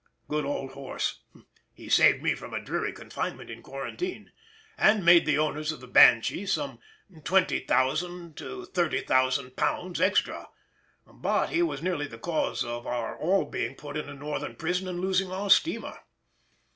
Good old horse, he saved me from a dreary confinement in quarantine, and made the owners of the Banshee some £20,000 to £30,000 extra, but he was nearly the cause of our all being put in a Northern prison and losing our steamer.